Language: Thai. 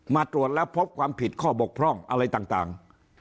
มาตรวจแล้วพบความผิดข้อบกพร่องอะไรต่าง